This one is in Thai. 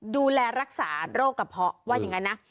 ดูแลรักษาโรคกระเพาะว่าอย่างนั้นนะ